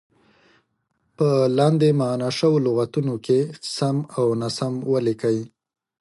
په لاندې معنا شوو لغتونو کې سم او ناسم ولیکئ.